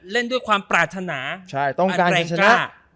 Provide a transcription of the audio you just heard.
เล่นด้วยความปรารถนาต้องการแรงชนะ